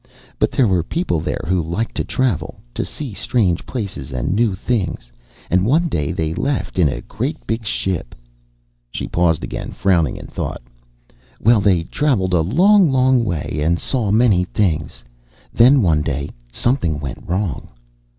But there were people there who liked to travel to see strange places and new things, and one day they left in a great big ship." She paused again, frowning in thought. "Well, they traveled a long, long way and saw many things. Then one day something went wrong."